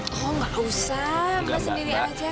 oh gak usah sendiri aja